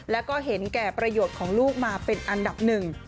แล้วก็เห็นแก่ประโยชน์ของลูกมาเป็นอันดับหนึ่ง